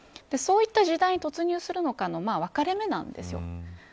そういった時代に突入するのかの分かれ目なんですよ。